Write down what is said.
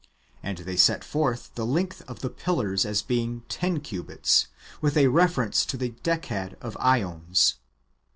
And they set forth the length of the pillars as being ten cubits, with a reference to the Decad of ^ons.